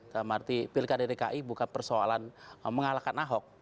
maksudnya pilihan dari dki bukan persoalan mengalahkan ahok